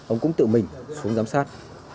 ông cũng tự mình xuống giám sát